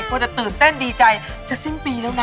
เราจะถึงเต้นดีใจจะเช่งปีแล้วนะ